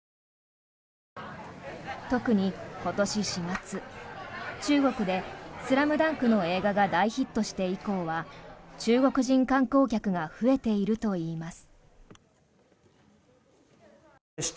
特に今年４月、中国で「ＳＬＡＭＤＵＮＫ」の映画が大ヒットして以降は中国人観光客が増えているといいます。